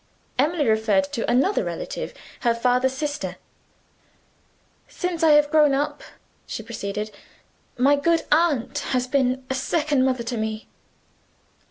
Emily referred to another relative her father's sister. "Since I have grown up," she proceeded, "my good aunt has been a second mother to me.